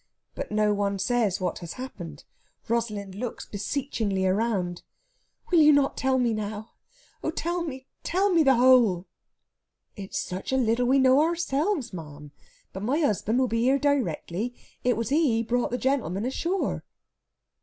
But no one says what has happened. Rosalind looks beseechingly round. "Will you not tell me now? Oh, tell me tell me the whole!" "It's such a little we know ourselves, ma'am. But my husband will be here directly. It was he brought the gentleman ashore...."